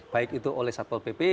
baik itu oleh satpol pp